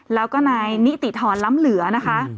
แล้วก็นายนิติธรล้ำเหลือนะคะ